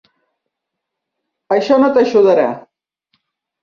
Això no t'ajudarà.